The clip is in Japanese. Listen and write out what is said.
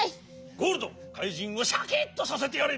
ゴールドかいじんをシャキッとさせてやれ！